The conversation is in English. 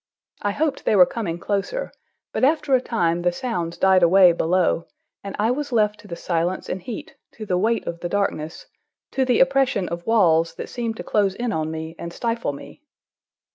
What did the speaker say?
I hoped they were coming closer, but after a time the sounds died away below, and I was left to the silence and heat, to the weight of the darkness, to the oppression of walls that seemed to close in on me and stifle me.